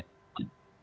dan besarnya diskresi